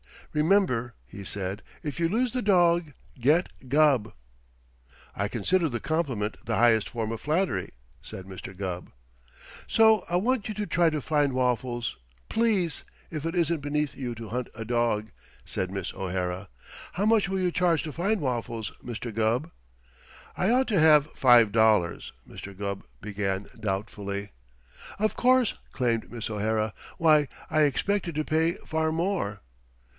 Remember,' he said, 'if you lose the dog, get Gubb.'" "I consider the compliment the highest form of flattery," said Mr. Gubb. "So I want you to try to find Waffles, please, if it isn't beneath you to hunt a dog," said Miss O'Hara. "How much will you charge to find Waffles, Mr. Gubb?" "I'd ought to have five dollars " Mr. Gubb began doubtfully. "Of course!" exclaimed Miss O'Hara. "Why, I expected to pay far more."